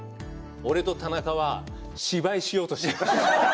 俺と田中は芝居しようとしています。